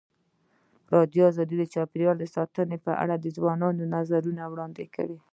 ازادي راډیو د چاپیریال ساتنه په اړه د ځوانانو نظریات وړاندې کړي.